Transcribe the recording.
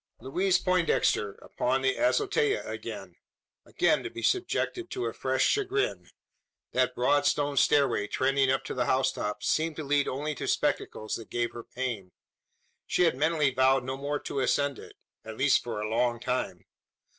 Louise Poindexter upon the azotea again again to be subjected to a fresh chagrin! That broad stone stairway trending up to the housetop, seemed to lead only to spectacles that gave her pain. She had mentally vowed no more to ascend it at least for a long time.